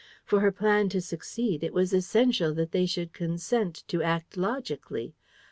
For her plan to succeed, it was essential that they should consent to act logically.